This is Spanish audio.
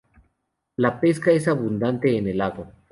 La pesca es abundante en el lago.